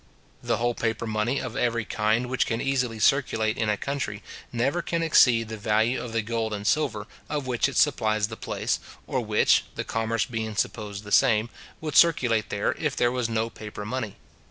The whole paper money of every kind which can easily circulate in any country, never can exceed the value of the gold and silver, of which it supplies the place, or which (the commerce being supposed the same) would circulate there, if there was no paper money.